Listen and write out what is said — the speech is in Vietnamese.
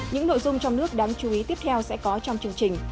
những nội dung trong nước đáng chú ý tiếp theo sẽ có trong chương trình